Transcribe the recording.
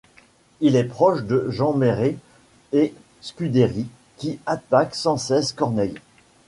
Il est proche de Jean Mairet et Scudéry, qui attaquent sans cesse Corneille.